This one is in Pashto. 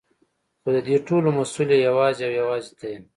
خو ددې ټولو مسؤل يې يوازې او يوازې ته يې.